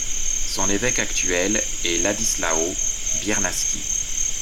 Son évêque actuel est Ladislau Biernaski.